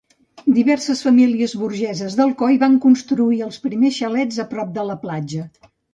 Diverses famílies burgeses d'Alcoi van construir els primers xalets a prop de la platja.